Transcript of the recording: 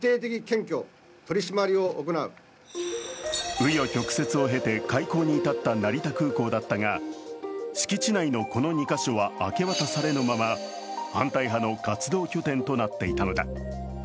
う余曲折を経て開港に至った成田空港だったが敷地内のこの２か所は明け渡されぬまま反対派の活動拠点となっていたのだ。